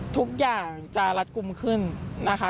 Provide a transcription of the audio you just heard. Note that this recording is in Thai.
ทุกอย่างจะรัดกลุ่มขึ้นนะคะ